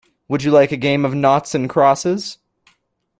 Would you like a game of noughts and crosses?